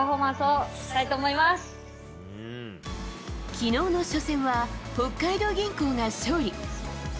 昨日の初戦は北海道銀行が勝利。